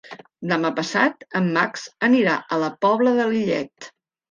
Demà passat en Max anirà a la Pobla de Lillet.